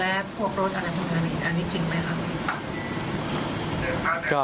เรื่องแก้พวกรถอะไรของนั้นอันนี้จริงไหมครับ